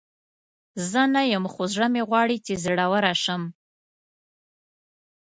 زه نه یم، خو زړه مې غواړي چې زړوره شم.